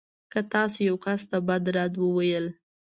که تاسو يو کس ته بد رد وویل.